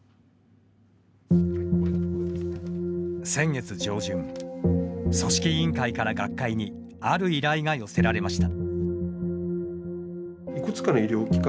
先月上旬、組織委員会から学会にある依頼が寄せられました。